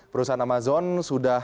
perusahaan amazon sudah